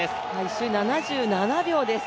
１周７７秒です。